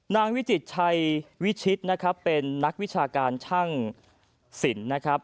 วิจิตชัยวิชิตนะครับเป็นนักวิชาการช่างสินนะครับ